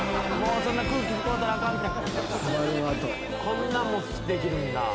こんなんもできるんだ。